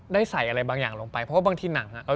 ได้ใส่อะไรบางอย่างลงไปเพราะว่าบางทีหนัง